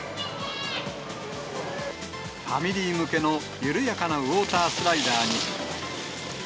ファミリー向けの緩やかなウォータースライダーに。